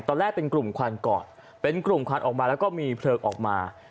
ตอนแรกเป็นกลุ่มควันก่อนเป็นกลุ่มควันออกมาแล้วก็มีเพลิงออกมา